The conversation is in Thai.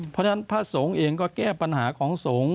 เพราะฉะนั้นพระสงฆ์เองก็แก้ปัญหาของสงฆ์